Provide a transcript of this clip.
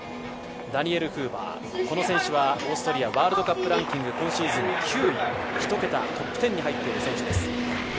ダニエル・フーバー、この選手はオーストリアランキング、今シーズン９位、１桁、トップ１０に入っている選手です。